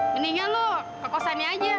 mendingnya lo ke kosernya aja